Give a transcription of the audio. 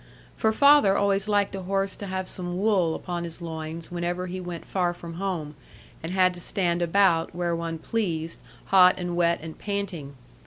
For father always liked a horse to have some wool upon his loins whenever he went far from home, and had to stand about, where one pleased, hot, and wet, and panting.